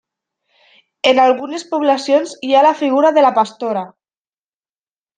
En algunes poblacions hi ha la figura de la pastora.